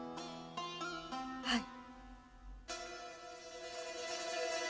はい。